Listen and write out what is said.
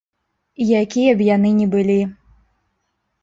Якія б яны ні былі.